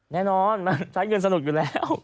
แน่นอนมันใช้เงินสนุกอยู่แล้ว